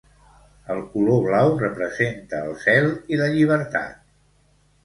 El color blau representa el cel i la llibertat.